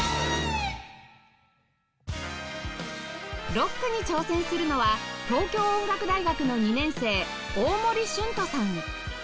ロックに挑戦するのは東京音楽大学の２年生大森駿音さん